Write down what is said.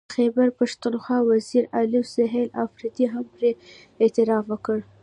د خیبر پښتونخوا وزیر اعلی سهیل اپريدي هم پرې اعتراف وکړ